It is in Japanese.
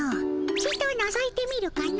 ちとのぞいてみるかの。